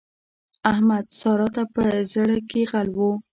احمد؛ سارا ته په زړ کې غل وو.